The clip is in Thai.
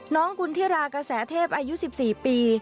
น้องกุณฑิรากษาเทพอายุ๑๔ปี